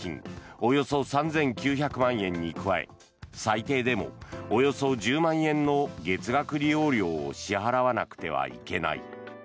およそ３９００万円に加え最低でもおよそ１０万円の月額利用料を支払わなくてはいけない。